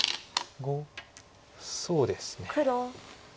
そうですね。